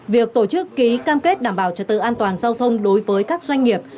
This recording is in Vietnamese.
việc tổ chức ký cam kết đảm bảo trật tự an toàn giao thông đối với các doanh nghiệp